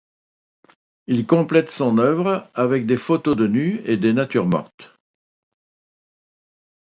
Il complète son œuvre avec des photos de nus et des natures mortes.